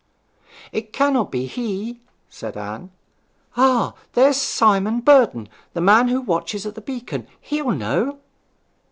'It cannot be he,' said Anne. 'Ah! there's Simon Burden, the man who watches at the beacon. He'll know!'